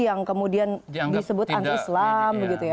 yang kemudian disebut anti islam begitu ya